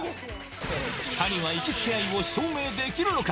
２人は行きつけ愛を証明できるのか？